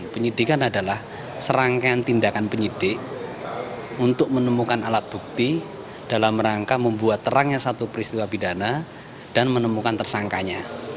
penyidikan adalah serangkaian tindakan penyidik untuk menemukan alat bukti dalam rangka membuat terangnya satu peristiwa pidana dan menemukan tersangkanya